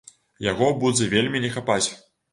Яго будзе вельмі не хапаць.